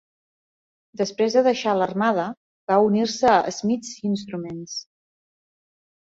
Després de deixar l'armada, va unir-se a Smiths Instruments.